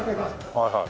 はいはい。